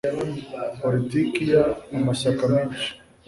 politiki y amashyaka menshi